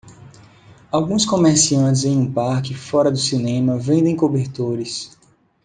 Alguns comerciantes em um parque fora do cinema vendem cobertores.